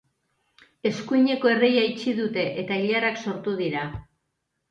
Eskuineko erreia itxi dute eta ilarak sortu dira.